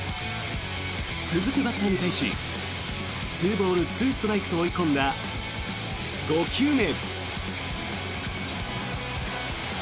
続くバッターに対し２ボール２ストライクと追い込んだ５球目。